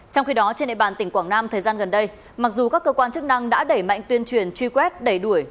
trong khi đó trên địa bàn tỉnh quảng nam thời gian gần đây mặc dù các cơ quan chức năng đã đẩy mạnh tuyên truyền truy quét đẩy đuổi